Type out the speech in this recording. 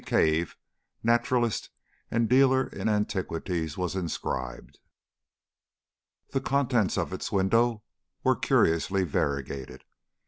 Cave, Naturalist and Dealer in Antiquities," was inscribed. The contents of its window were curiously variegated.